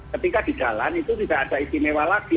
ketika di jalan itu tidak ada istimewa lagi